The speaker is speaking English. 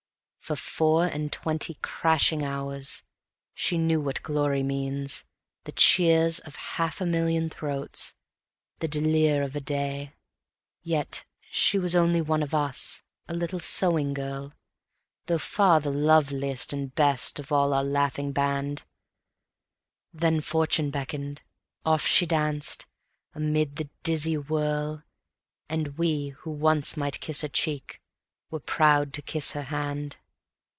For four and twenty crashing hours she knew what glory means, The cheers of half a million throats, the délire of a day. Yet she was only one of us, a little sewing girl, Though far the loveliest and best of all our laughing band; Then Fortune beckoned; off she danced, amid the dizzy whirl, And we who once might kiss her cheek were proud to kiss her hand.